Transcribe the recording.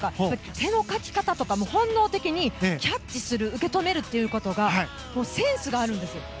手のかき方とかも本能的にキャッチする受け止めるということがセンスがあるんですよ。